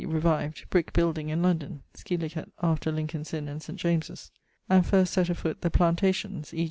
e. revived) brick building in London (scil. after Lincolne's Inne and St. James's); and first sett afoote the Plantations, e.